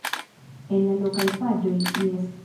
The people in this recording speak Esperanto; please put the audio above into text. En la lokaj paĝoj - jes.